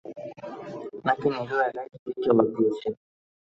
নাকি নীলু একাই চিঠির জবাব দিয়েছে?